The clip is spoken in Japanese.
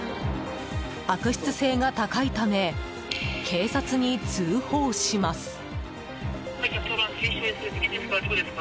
悪質性が高いため警察に通報します。